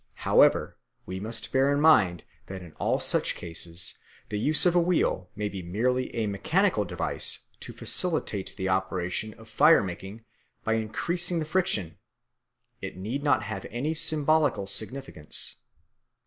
However, we must bear in mind that in all such cases the use of a wheel may be merely a mechanical device to facilitate the operation of fire making by increasing the friction; it need not have any symbolical significance.